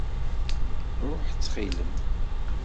Ṛuḥ ttxil-m!